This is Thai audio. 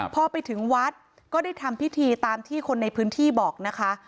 พอไปถึงวัดก็ได้ทำพิธีตามที่คนในพื้นที่บอกนะคะ